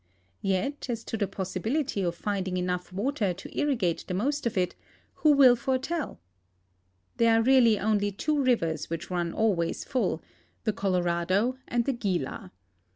Yet, as to the possibility of finding enough water to irrigate the most of it, who will foretell ? There are really only two rivers which run always full— the Colorado and the Gila.